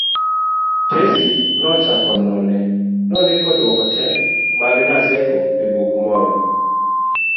Tesi nochako none, nondiko dwoko te mag Naseko e buk moro